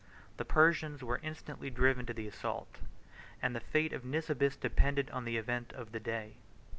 The Persians were instantly driven to the assault, and the fate of Nisibis depended on the event of the day.